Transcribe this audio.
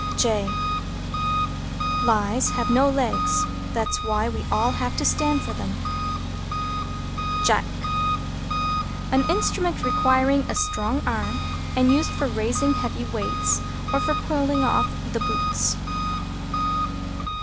J Lies have no legs That's why we all have to stand for them. =JACK= An instrument requiring a strong arm, and used for raising heavy weights, or for pulling off the boots.